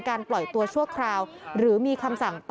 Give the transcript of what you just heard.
ปล่อยตัวชั่วคราวหรือมีคำสั่ง